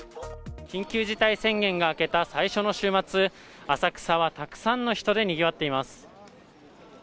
緊急事態宣言があけた最初の週末、浅草はたくさんの人でにぎわっています。